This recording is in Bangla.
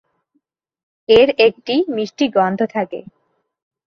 এর একটি মিষ্টি গন্ধ থাকে।